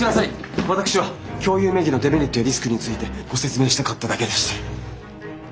私は共有名義のデメリットやリスクについてご説明したかっただけです。